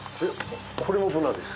これもブナです。